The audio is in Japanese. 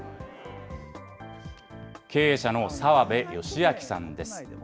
経営者の澤邊芳明さんです。